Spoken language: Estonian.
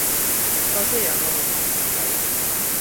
Ka see on oluline detail.